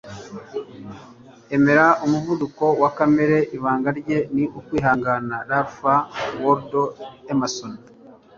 emera umuvuduko wa kamere ibanga rye ni kwihangana. - ralph waldo emerson